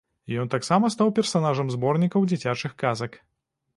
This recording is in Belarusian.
Ён таксама стаў персанажам зборнікаў дзіцячых казак.